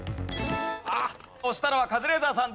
押したのはカズレーザーさん。